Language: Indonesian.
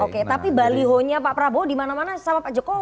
oke tapi balihonya pak prabowo di mana mana sama pak jokowi